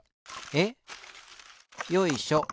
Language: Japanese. えっ？よいしょ。